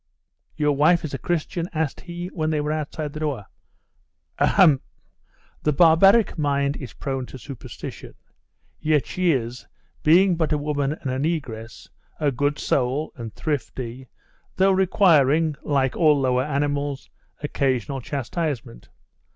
'Your wife is a Christian?' asked he when they were outside the door. 'Ahem ! The barbaric mind is prone to superstition. Yet she is, being but a woman and a negress, a good soul, and thrifty, though requiring, like all lower animals, occasional chastisement.